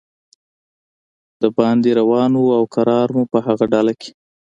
باندې روان و او کرار مو په هغه ډله کې.